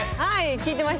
聴いてましたよ